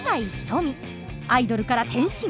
アイドルから転身。